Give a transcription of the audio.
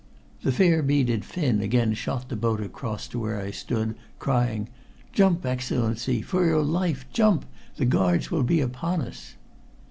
The fair bearded Finn again shot the boat across to where I stood, crying "Jump, Excellency! For your life, jump! The guards will be upon us!"